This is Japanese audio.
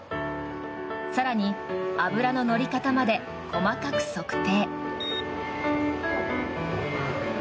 更に脂の乗り方まで細かく測定。